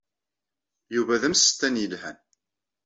Yuba d amsestan yelhan.